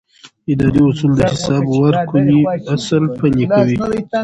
اداري اصول د حساب ورکونې اصل پلي کوي.